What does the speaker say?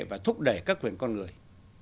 và thúc đẩy các quyền con người